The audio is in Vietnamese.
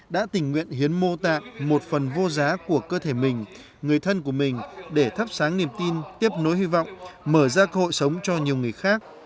đã tình nguyện hiến mô tạng một phần vô giá của cơ thể mình người thân của mình để thắp sáng niềm tin tiếp nối hy vọng mở ra cơ hội sống cho nhiều người khác